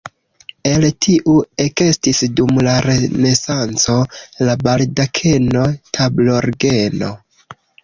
El tiu ekestis dum la renesanco la baldakeno-tablorgeno.